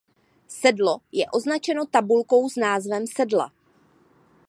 Sedlo je označeno tabulkou s názvem sedla.